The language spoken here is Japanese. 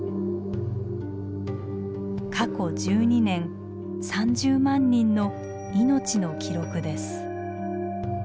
過去１２年３０万人の命の記録です。